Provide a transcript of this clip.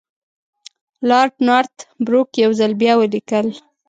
لارډ نارت بروک یو ځل بیا ولیکل.